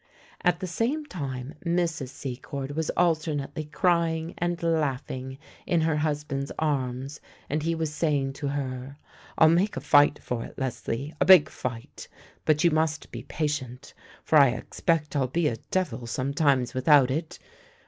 At the same time Mrs. Secord was alternately crying and laughing in her husband's arms, and he was saying to her :" I'll make a fight for it, Lesley, a big fight ; but you must be patient, for I expect I'll be a devil some times without it.